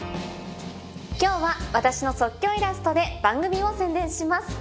今日は私の即興イラストで番組を宣伝します。